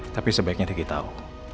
tapi sebaiknya ricky tau